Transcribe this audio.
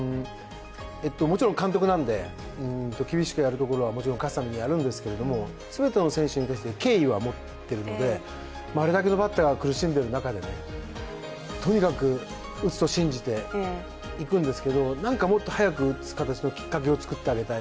もちろん監督なので厳しくやるところは、もちろん勝つためにやるんですけども、全ての選手に対して敬意は持ってるのであれだけのバッターが苦しんでいる中で、とにかく打つと信じていくんですけど、なんかもっと早く打つためのきっかけを作ってあげたい。